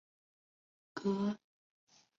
格拉塞伦巴赫是德国黑森州的一个市镇。